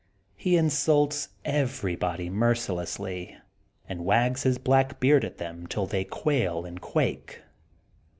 He insults everybody mercilessly and wags his black beard at them till they quail and quake.